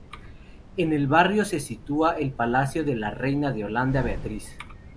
En el barrio se sitúa el palacio de la Reina de Holanda, Beatriz.